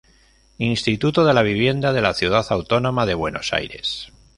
Instituto de la Vivienda de la Ciudad Autónoma de Buenos Aires.